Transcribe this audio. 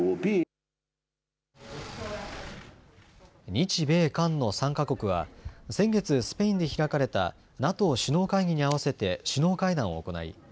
日米韓の３か国は先月、スペインで開かれたＮＡＴＯ首脳会議に合わせて首脳会談を行い